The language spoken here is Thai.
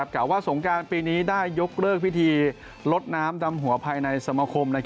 กล่าวว่าสงการปีนี้ได้ยกเลิกพิธีลดน้ำดำหัวภายในสมคม